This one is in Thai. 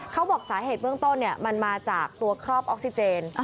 เขาบอกสาเหตุเบื้องต้นมันมาจากตัวครอบออกซิเจน